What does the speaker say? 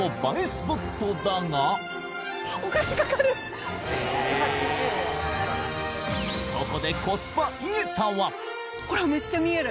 スポットだがコスパ井桁はほらめっちゃ見える。